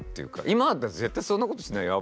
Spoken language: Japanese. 今だったら絶対そんなことしないよ。